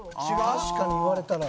確かに言われたら。